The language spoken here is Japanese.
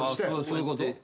そういうこと？